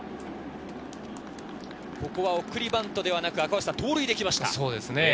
ここは送りバントではなく盗塁できました。